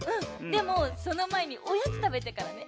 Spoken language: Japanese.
でもそのまえにおやつたべてからね。